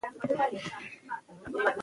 رښتینې لیکنې ولس ته ګټه رسوي.